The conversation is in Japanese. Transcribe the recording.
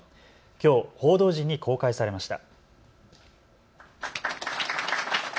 きょう報道陣に公開されました。